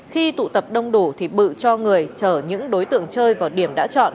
khi tụ tập đông đủ thì bự cho người chở những đối tượng chơi vào điểm đã chọn